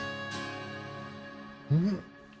うん！